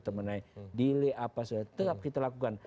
temennya delay apa setiap kita lakukan